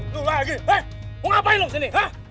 lo lagi eh mau ngapain lo disini